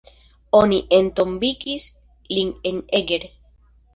Oni entombigis lin en Eger.